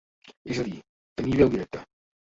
És a dir, tenir veu directa.